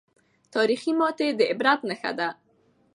تاریخي ماتې د عبرت نښه ده.